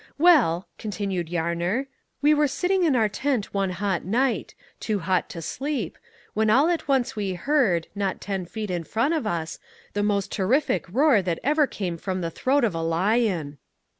"Well," continued Yarner, "we were sitting in our tent one hot night too hot to sleep when all at once we heard, not ten feet in front of us, the most terrific roar that ever came from the throat of a lion."